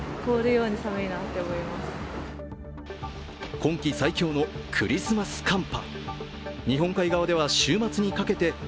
今季最強のクリスマス寒波。